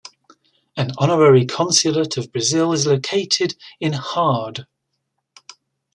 An honorary consulate of Brazil is located in Hard.